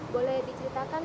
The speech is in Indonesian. boleh diceritakan ya